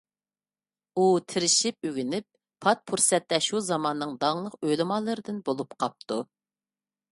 ئۇ تىرىشىپ ئۆگىنىپ، پات پۇرسەتتە شۇ زاماننىڭ داڭلىق ئۆلىمالىرىدىن بولۇپ قاپتۇ.